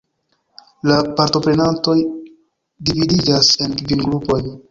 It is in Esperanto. La partoprenantoj dividiĝas en kvin grupojn.